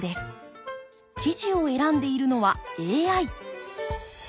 記事を選んでいるのはＡＩ。